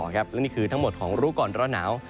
และนี่ทั้งหมดของรู้ก่อนเท่า